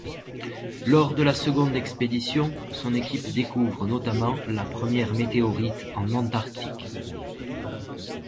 Lors de la seconde expédition, son équipe découvre notamment la première météorite en Antarctique.